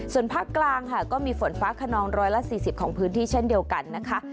ส่วนภาคกลางค่ะก็มีฝนฟ้าขนอง๑๔๐ของพื้นที่เช่นเดียวกันนะคะ